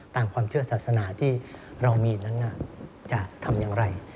ตามความเชื่อศาสนาที่เรามีนั้นจะทำอย่างไร